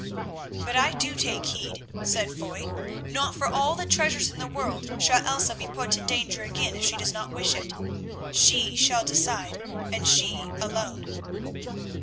"But I do take heed," said Foy. "Not for all the treasures in the world shall Elsa be put in danger again if she does not wish it; she shall decide, and she alone."